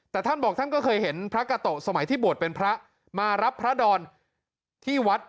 แต่ท่านบอกท่านก็เคยเห็นพระกาโตะสมัยที่บวชเป็นพระมารับพระดอนที่วัด